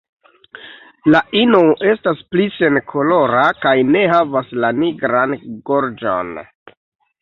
La ino estas pli senkolora kaj ne havas la nigran gorĝon.